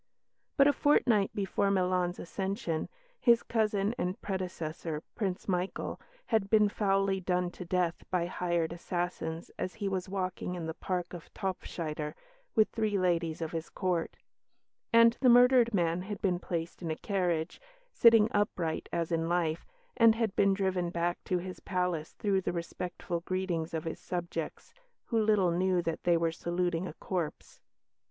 But a fortnight before Milan's accession, his cousin and predecessor, Prince Michael, had been foully done to death by hired assassins as he was walking in the park of Topfschider, with three ladies of his Court; and the murdered man had been placed in a carriage, sitting upright as in life, and had been driven back to his palace through the respectful greetings of his subjects, who little knew that they were saluting a corpse.